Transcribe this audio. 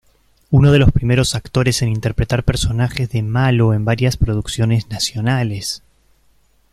Uno de los primeros actores en interpretar personajes de malo en varias producciones nacionales.